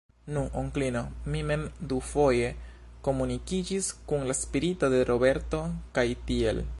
Nu, onklino, mi mem dufoje komunikiĝis kun la spirito de Roberto, kaj tiel.